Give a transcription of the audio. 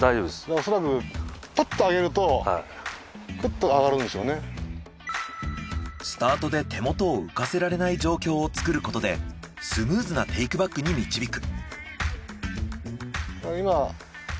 おそらくスタートで手元を浮かせられない状況を作ることでスムーズなテイクバックに導く。